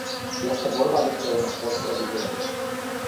Este vorba despre un acord provizoriu.